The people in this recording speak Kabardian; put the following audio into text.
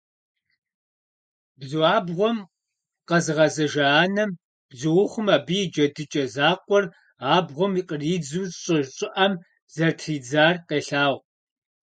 Бзуабгъуэм къэзыгъэзэжа анэм, бзуухъум абы я джэдыкӀэ закъуэр абгъуэм къридзу щӀы щӀыӀэм зэрытридзар къелъагъу.